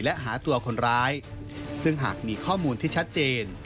และหาตัวคนร้ายซึ่งหากมีข้อมูลที่ชัดเจน